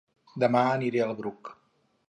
Dema aniré a El Bruc